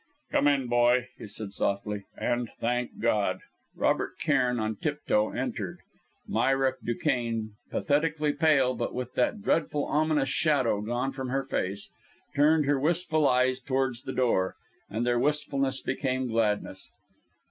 "Come in, boy," he said softly "and thank God!" Robert Cairn, on tiptoe, entered. Myra Duquesne, pathetically pale but with that dreadful, ominous shadow gone from her face, turned her wistful eyes towards the door; and their wistfulness became gladness.